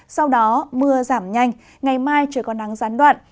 sau đó mưa giảm nhanh ngày mai trời có nắng gián đoạn